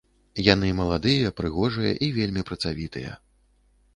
Яны маладыя, прыгожыя і вельмі працавітыя.